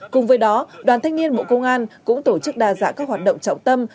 cùng với đó đoàn thanh niên bộ công an cũng tổ chức đa dạng các hoạt động trọng tâm